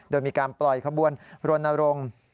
โดยมีการปล่อยขบวนรวดนรง